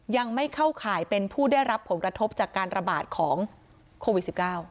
ยังไม่เข้าข่ายเป็นผู้ได้รับผลกระทบจากการระบาดของโควิด๑๙